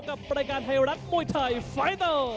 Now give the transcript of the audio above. กับรายการไทยรัฐมวยไทยไฟเตอร์